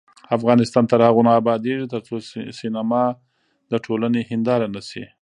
افغانستان تر هغو نه ابادیږي، ترڅو سینما د ټولنې هنداره نشي.